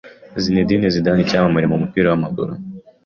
Zinedine Zidane icyamamare mu mupira w’amaguru